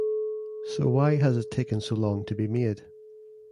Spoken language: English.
So why has it taken so long to be made?